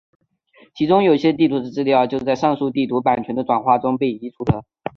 其中有些地图的资料就在上述地图版权的转换中被移除了。